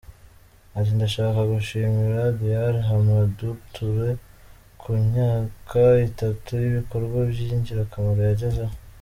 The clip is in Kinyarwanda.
Ati “Ndashaka gushimira Dr.Hamadoun Touré, ku myaka itatu y’ibikorwa by’ingirakamaro yagezeho.